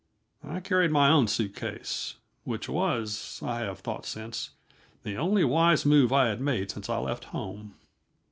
I carried my own suitcase which was, I have thought since, the only wise move I had made since I left home.